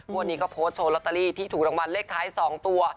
วันนี้ก็โพสต์โชว์ลอตเตอรี่ที่ถูกรางวัลเลขท้าย๒ตัว